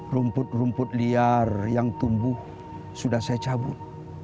rumput rumput liar yang tumbuh sudah saya cabut